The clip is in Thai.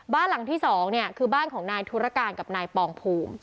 บ้านหลังที่๒เนี่ยคือบ้านของนายธุรการกับนายปองภูมิ